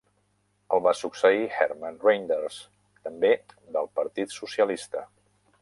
El va succeir Herman Reynders, també del partit socialista.